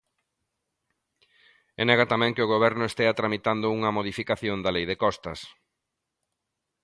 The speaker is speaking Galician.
E nega tamén que o Goberno estea tramitando unha modificación da lei de Costas.